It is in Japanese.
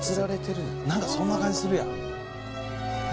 何かそんな感じするやん。